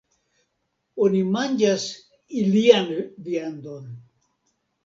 Oni manĝas ilian viandon.